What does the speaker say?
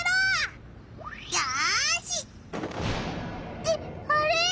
ってあれ？